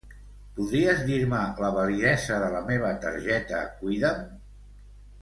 Podries dir-me la validesa de la meva targeta Cuida'm?